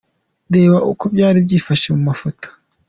Reba uko byari byifashe mu mafoto:.